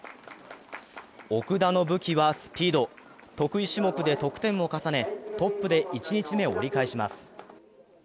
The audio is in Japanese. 奥田の武器はスピード、得意種目で得点を重ね、トップで、１日目を折り返します。